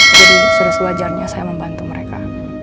jadi sudah sewajarnya saya membantu mereka